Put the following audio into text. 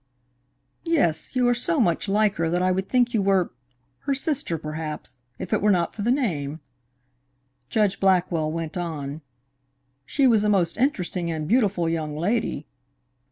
"Yes, you are so much like her that I would think you were her sister perhaps, if it were not for the name," Judge Blackwell went on. "She was a most interesting and beautiful young lady."